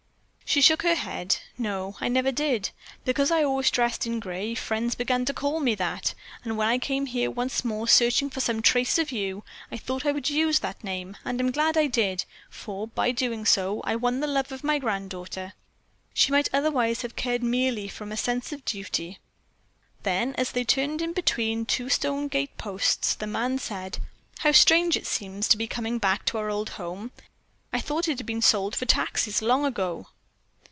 She shook her head. "No, I never did. Because I always dressed in grey, friends began to call me that, and when I came here once more searching for some trace of you, I thought I would use that name; and I am glad that I did, for by so doing I won the love of my granddaughter. She might otherwise have cared merely from a sense of duty." Then, as they turned in between two stone gate posts, the man said: "How strange it seems to be, coming back to our old home. I thought it had been sold for taxes long ago."